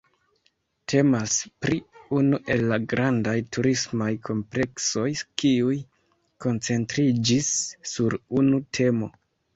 Temas pri unu el la grandaj turismaj kompleksoj kiuj koncentriĝis sur unu temo.